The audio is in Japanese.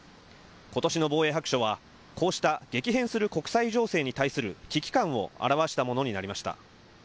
ことしの防衛白書はこうした激変する国際情勢に対する危機感を表したものになりました。